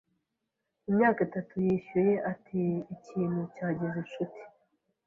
imyaka itatu Yishuye ati Ikintu cyagize inshuti